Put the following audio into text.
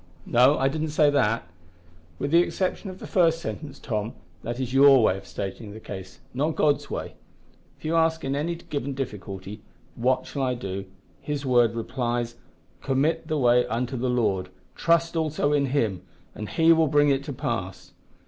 "No, I did not say that. With the exception of the first sentence, Tom, that is your way of stating the case, not God's way. If you ask in any given difficulty, `What shall I do?' His word replies, `Commit thy way unto the Lord. Trust also in Him, and He will bring it to pass.'